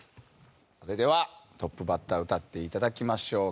それではトップバッター歌っていただきましょう。